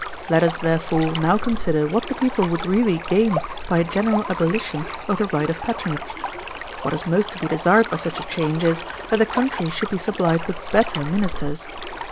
Let us, therefore, now consider what the people would really gain by a general abolition of the right of patronage. What is most to be desired by such a change is, that the country should be supplied with better ministers.